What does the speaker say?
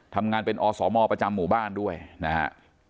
ทำงานเป็นอสมประจำหมู่บ้านด้วยนะฮะ